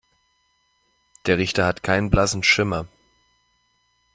Der Richter hat keinen blassen Schimmer.